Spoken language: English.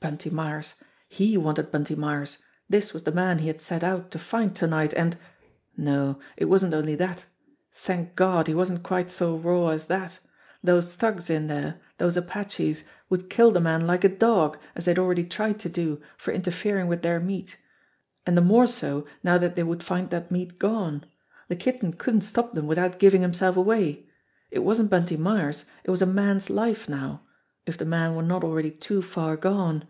Bunty Myers! He wanted Bunty Myers! This was the man he had set out to find to night, and No, it wasn't only that ! Thank God, he wasn't quite so raw as that! Those thugs in there, those apaches, would kill the man like a dog, as they had already tried to do, for interfering with their meat. And the more so now that they would find that meat gone ! The Kitten couldn't stop them without giving himself away. It wasn't Bunty Myers, it was a man's life now if the man were not already too far gone.